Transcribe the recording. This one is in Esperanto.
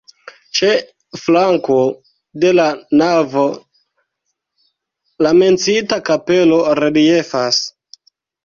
Ĉe flanko de la navo la menciita kapelo reliefas.